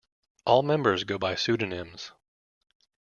All members go by pseudonyms.